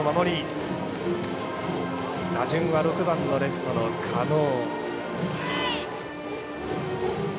打順は６番のレフトの狩野。